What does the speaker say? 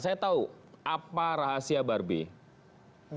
saya tahu apa rahasia barbie